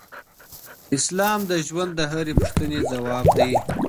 اسلام د ژوند د هرې پوښتنې ځواب لري.